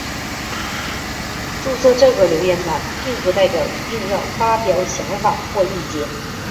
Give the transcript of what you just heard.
注册这个留言版并不代表一定要发表想法或意见。